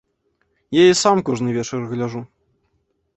Я і сам кожны вечар гляджу.